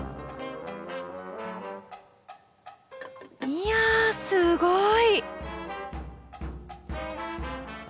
いやすごい！